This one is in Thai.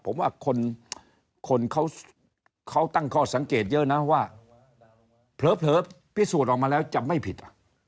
ผมว่าคนเขาตั้งข้อสังเกตเยอะนะว่าเผลอพิสูจน์ออกมาแล้วจะไม่ผิด